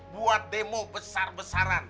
buat demo besar besaran